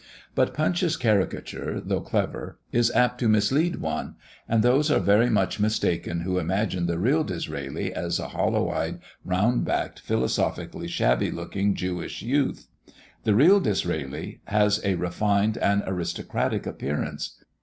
But Punch's caricature, though clever, is apt to mislead one, and those are very much mistaken who imagine the real Disraeli as a hollow eyed, round backed, philosophically shabby looking, Jewish youth. The real Disraeli has a refined and aristocratic appearance.